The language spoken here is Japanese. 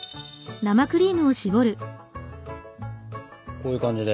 こういう感じで。